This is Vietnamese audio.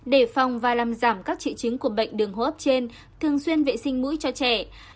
đề phòng và làm giảm các triệu chứng của bệnh đường hô hấp trên thường xuyên vệ sinh mũi cho trẻ